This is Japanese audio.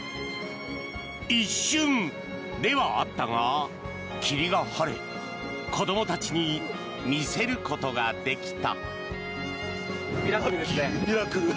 一瞬ではあったが霧が晴れ子どもたちに見せることができた。